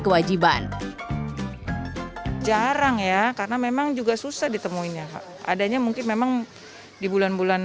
kewajiban jarang ya karena memang juga susah ditemuinya adanya mungkin memang di bulan bulan